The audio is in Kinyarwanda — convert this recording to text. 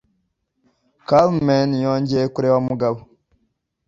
Carmen yongeye kureba Mugabo.